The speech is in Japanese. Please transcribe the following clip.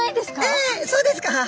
えっそうですか？